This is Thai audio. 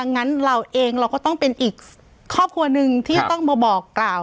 งั้นเราเองเราก็ต้องเป็นอีกครอบครัวหนึ่งที่จะต้องมาบอกกล่าว